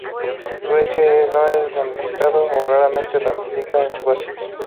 Su eje no es ramificado o raramente ramifica en su base.